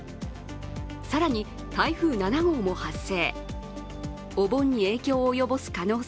更に台風７号も発生。